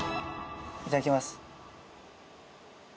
いただきます。